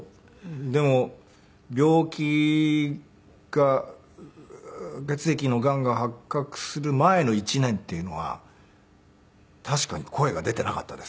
でも病気が血液のがんが発覚する前の１年っていうのは確かに声が出ていなかったです。